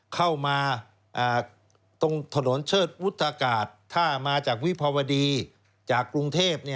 เข้ามาตรงถนนเชิดวุฒากาศถ้ามาจากวิภาวดีจากกรุงเทพ